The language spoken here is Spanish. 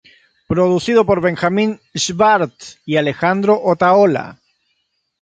Producido por Benjamin Schwartz y Alejandro Otaola.